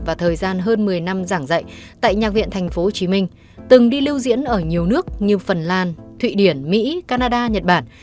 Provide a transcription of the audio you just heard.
và thời gian hơn một mươi năm giảng dạy tại nhạc viện tp hcm từng đi lưu diễn ở nhiều nước như phần lan thụy điển mỹ canada nhật bản